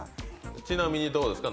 ちなみにどうですか？